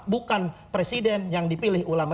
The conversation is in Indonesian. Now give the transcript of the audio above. bukan presiden yang dipilih ulama